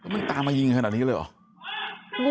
มันตามมายิงขนาดนี้เลยเหรอ